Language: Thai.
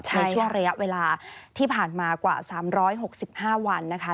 ในช่วงระยะเวลาที่ผ่านมากว่า๓๖๕วันนะคะ